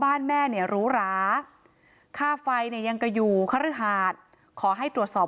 บ้านแม่เนี่ยหรูราค่าไฟยังจะอยู่ครหาดขอให้ตรวจสอบ